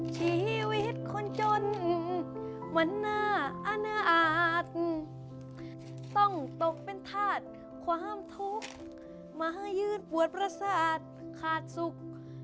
ชีวิตคนจนมันน่าอาณาจต้องตกเป็นธาตุความทุกข์มาให้ยืดปวดประสาทขาดสุข